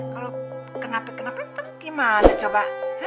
kalau kenapa kenapa entah gimana coba